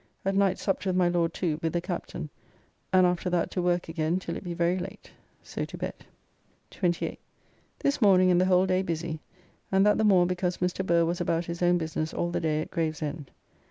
At night supped with my Lord too, with the Captain, and after that to work again till it be very late. So to bed. 28th. This morning and the whole day busy, and that the more because Mr. Burr was about his own business all the day at Gravesend.